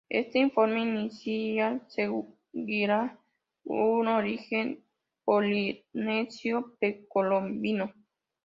Este informe inicial sugería un origen polinesio precolombino.